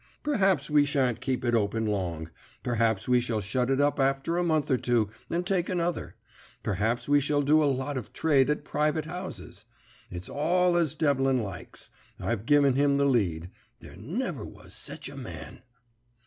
Perhaps we sha'n't keep it open long; perhaps we shall shut it up after a month or two and take another; perhaps we shall do a lot of trade at private houses. It's all as Devlin likes. I've give him the lead. There never was sech a man.'